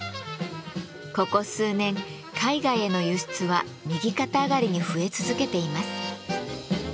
ここ数年海外への輸出は右肩上がりに増え続けています。